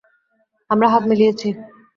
আমরা হাত মিলিয়েছি।